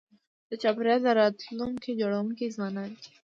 د چاپېریال د راتلونکي جوړونکي ځوانان دي.